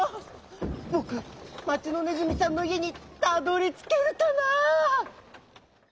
ぼく町のねずみさんのいえにたどりつけるかなあ」。